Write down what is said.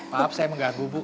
maaf saya mengganggu bu